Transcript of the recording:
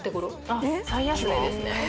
あっ最安値ですね